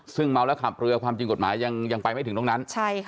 ซึ่งเมาแล้วขับเรือความจริงกฎหมายยังไปไม่ถึงตรงนั้น